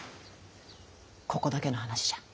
ここだけの話じゃ。